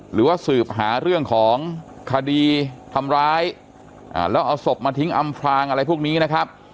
หรือว่าสืบหาเรื่องของคดีทำร้ายแล้วเอาศพมาทิ้งอำพลางอะไรพวกนี้นะครับ